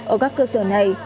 ở các cơ sở này